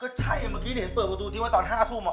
ก็ใช่ได้เห็นเปิดประตูที่ไทยตอน๕ทุ่มอ่ะ